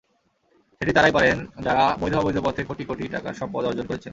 সেটি তাঁরাই পারেন, যাঁরা বৈধ-অবৈধ পথে কোটি কোটি টাকার সম্পদ অর্জন করেছেন।